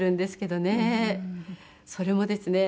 それもですね